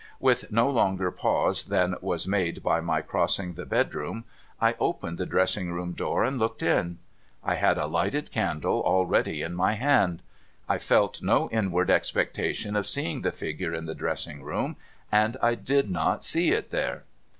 W^ith no longer pause than was made by my crossing the bedroom, I opened the dressing room door, and looked in. I had a lighted candle already in my hand. I felt no inward expectation of seeing the figure in the dressing room, and I did not see it there.